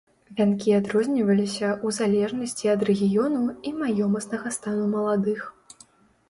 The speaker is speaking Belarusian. Вянкі адрозніваліся ў залежнасці ад рэгіёну і маёмаснага стану маладых.